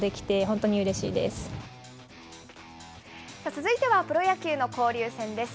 続いてはプロ野球の交流戦です。